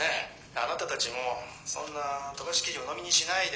あなたたちもそんな飛ばし記事うのみにしないで」。